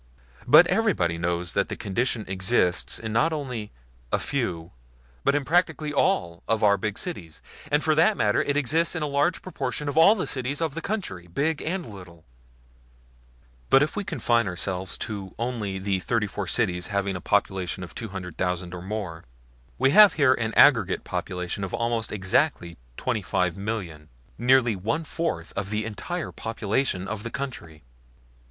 But everybody knows that the condition exists not only in "a few," but in practically all, of our big cities; and for that matter that it exists in a large proportion of all the cities of the country, big and little. But if we confine ourselves only to the 34 cities having a population of 200,000 or more, we have here an aggregate population of almost exactly 25,000,000 nearly one fourth of the entire population of the country.